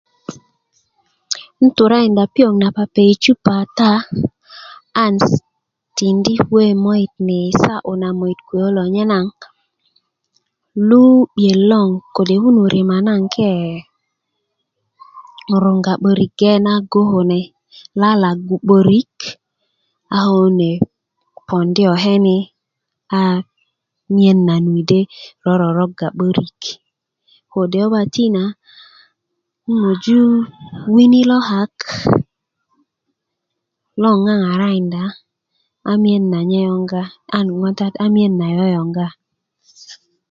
'n turakinda piöŋ na pape i cupa kata a tindi' kwe yi moit ni i sa'yu na moit kwe kulo nye naŋ lu 'biyet loŋ kode kun rima naŋ ke runga 'börik gbe na go kune lalagu 'börik a ko kune pondi koke' ni a miyen na nu de ro'roroga 'börik kode' ko 'ba tina 'nmoju wini lo kak loŋ ŋaŋarakinda a miyena na nye yoŋga a miyen na yooyoŋg